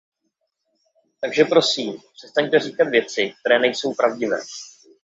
Takže prosím, přestaňte říkat věci, které nejsou pravdivé.